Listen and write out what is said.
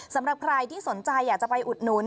สำหรับใครที่สนใจอยากจะไปอุดหนุน